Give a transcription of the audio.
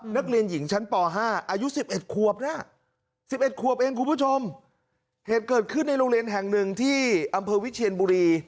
นักเรียนหญิงชั้นป๕อายุ๑๑ขวบนะ๑๑ขวบเองคุณผู้ชมเหตุเกิดขึ้นในโรงเรียนแห่งหนึ่งที่อำเภอวิเชียนบุรี